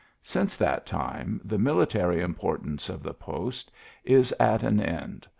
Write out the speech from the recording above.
Since that time, the mili tary importance of the post is at an end.